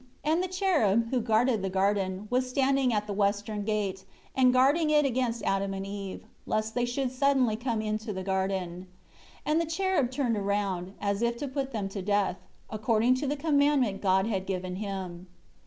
3 And the cherub who guarded the garden was standing at the western gate, and guarding it against Adam and Eve, lest they should suddenly come into the garden. And the cherub turned around, as if to put them to death; according to the commandment God had given him.